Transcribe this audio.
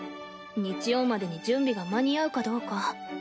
日曜までに準備が間に合うかどうか。